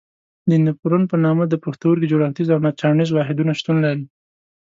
د نفرون په نامه د پښتورګي جوړښتیز او چاڼیز واحدونه شتون لري.